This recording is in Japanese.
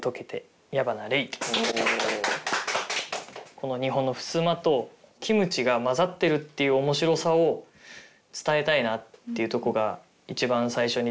この日本のふすまとキムチが混ざってるっていう面白さを伝えたいなっていうとこが一番最初に出てきて。